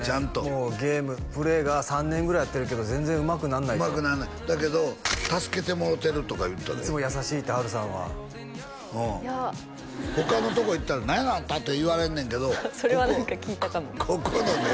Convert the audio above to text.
もうゲームプレーが３年ぐらいやってるけど全然うまくなんないうまくならないだけど助けてもろうてるとか言ってたでいつも優しいって波瑠さんはいや他のとこ行ったら何やのあんた！って言われんねんけどそれは何か聞いたかもここのね